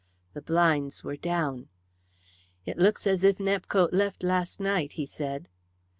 The blinds were down. "It looks as if Nepcote left last night," he said.